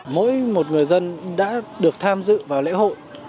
mỗi một người dân đã được tham dự vào lễ hội